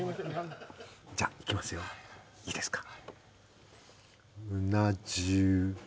じゃっいきますよいいですか？